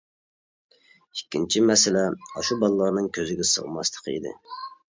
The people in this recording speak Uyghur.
ئىككىنچى مەسىلە ئاشۇ بالىلارنىڭ كۆزگە سىغماسلىقى ئىدى.